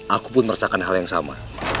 aku pun merasakan hal yang sama